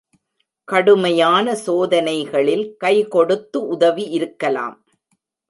கடுமையான சோதனைகளில் கைகொடுத்து உதவி இருக்கலாம்.